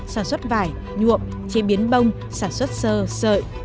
sản xuất vải nhuộm chế biến bông sản xuất sơ sợi